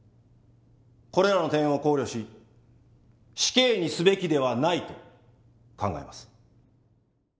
これらの点を考慮し死刑にすべきではないと考えます。